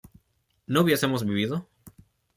¿no hubiésemos vivido?